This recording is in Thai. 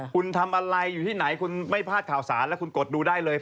คุณทำอะไรอยู่ที่ไหนคุณไม่พลาดข่าวสารแล้วคุณกดดูได้เลย